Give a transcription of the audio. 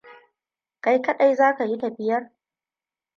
Kai kaɗai za ka yi tafiyar?